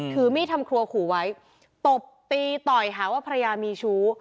ถือมีดทำครัวขู่ไว้ตบตีต่อยหาว่าภรรยามีชู้